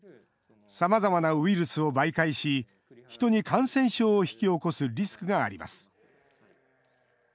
さまざまなウイルスを媒介し、人に感染症を引き起こすリスクがあります。